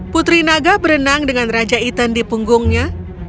putri naga berenang dengan raja ethan di punggungnya